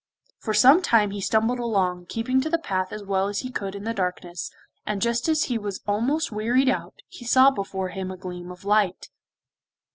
For some time he stumbled along, keeping to the path as well as he could in the darkness, and just as he was almost wearied out he saw before him a gleam of light.